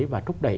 và thúc đẩy